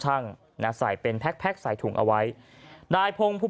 ช่างน่ะใส่เป็นแพ็คแพ็คใส่ถุงเอาไว้นายพงภู